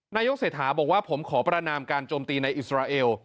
นายกเศรษฐาบอกว่าผมขอประนามการโจมตีในอิสราเอล